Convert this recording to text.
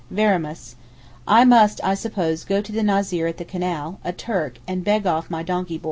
Veremus. I must I suppose go to the Nazir at the Canal—a Turk—and beg off my donkey boy.